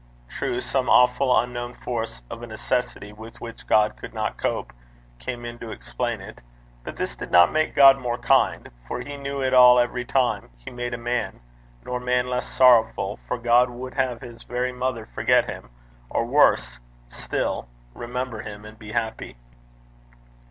True, some awful unknown force of a necessity with which God could not cope came in to explain it; but this did not make God more kind, for he knew it all every time he made a man; nor man less sorrowful, for God would have his very mother forget him, or, worse still, remember him and be happy.